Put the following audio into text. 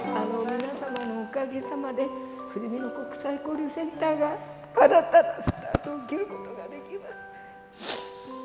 皆様のおかげさまで、ふじみの国際交流センターが新たなスタートを切ることができました。